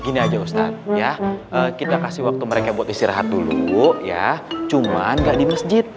gini aja ustadz ya kita kasih waktu mereka buat istirahat dulu ya cuman gak di masjid